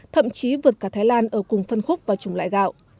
thậm chí vượt cả thái lan ở cùng phân khúc và chủng loại gạo